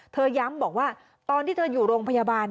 ย้ำบอกว่าตอนที่เธออยู่โรงพยาบาล